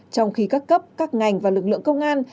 trong khi các cấp các ngành và lực lượng công an